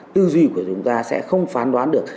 tư duy của chúng ta sẽ không phán đoán được